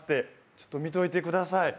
ちょっと見といてください。